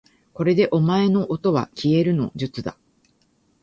これでお前のおとはきえるの術だ